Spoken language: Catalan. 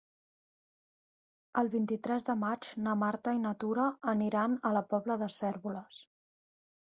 El vint-i-tres de maig na Marta i na Tura aniran a la Pobla de Cérvoles.